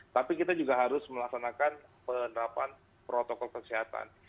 tapi kita juga harus melaksanakan penerapan protokol kesehatan